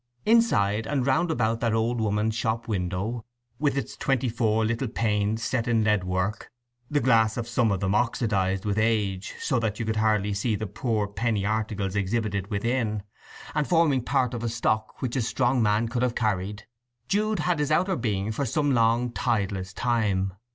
Inside and round about that old woman's "shop" window, with its twenty four little panes set in lead work, the glass of some of them oxidized with age, so that you could hardly see the poor penny articles exhibited within, and forming part of a stock which a strong man could have carried, Jude had his outer being for some long tideless time.